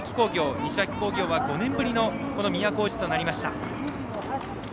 西脇工業は５年ぶりの都大路となりました。